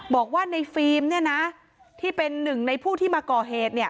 บอกว่าในฟิล์มที่เป็นหนึ่งในผู้ที่มาก่อเหตุ